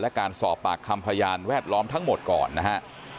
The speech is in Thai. และการสอบปากคำพยานแวดล้อมทั้งหมดก่อนนะฮะ